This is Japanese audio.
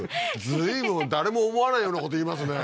随分誰も思わないようなこと言いますね